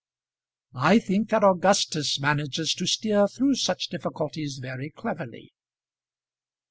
"I think that Augustus manages to steer through such difficulties very cleverly."